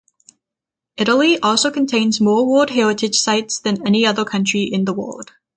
Italy also contains more World Heritage Sites than any other country in the world.